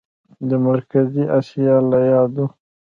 د مرکزي اسیا له یادو